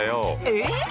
えっ！